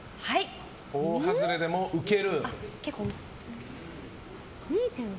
大外れでもウケる。